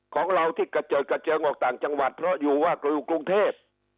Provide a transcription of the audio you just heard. ของเราที่กระเจิดกระเจิงออกต่างจังหวัดเพราะอยู่ว่ากรูกรุงเทพ